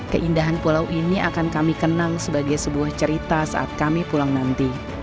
keindahan pulau ini akan kami kenang sebagai sebuah cerita saat kami pulang nanti